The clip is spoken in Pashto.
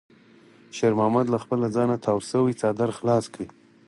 شېرمحمد له خپل ځانه تاو شوی څادر خلاص کړ.